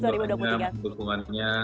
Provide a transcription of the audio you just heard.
terima kasih banyak untuk dukungannya